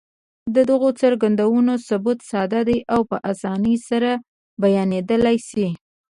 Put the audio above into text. د دغو څرګندونو ثبوت ساده دی او په اسانۍ سره بيانېدلای شي.